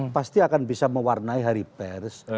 pasti akan bisa mewarnai hari pers